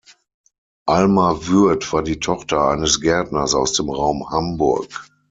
Alma Würth war die Tochter eines Gärtners aus dem Raum Hamburg.